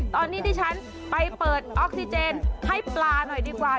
ตอนนี้ดิฉันไปเปิดออกซิเจนให้ปลาหน่อยดีกว่า